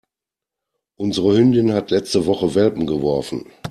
Unsere Hündin hat letzte Woche Welpen geworfen.